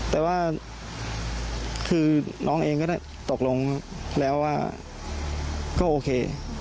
แต่ว่าคือน้องเองก็ได้ตกลงแล้วว่าก็โอเค